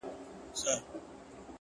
ستا بې روخۍ ته به شعرونه ليکم ـ